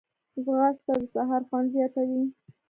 ځغاسته د سهار خوند زیاتوي